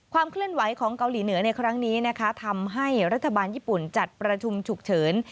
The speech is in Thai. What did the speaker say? เคลื่อนไหวของเกาหลีเหนือในครั้งนี้นะคะทำให้รัฐบาลญี่ปุ่นจัดประชุมฉุกเฉิน